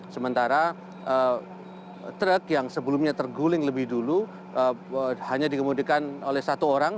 sementara truk yang sebelumnya terguling lebih dulu hanya dikemudikan oleh satu orang